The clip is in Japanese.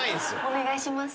お願いします。